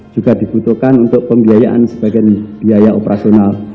juga dibutuhkan untuk pembiayaan sebagai biaya operasional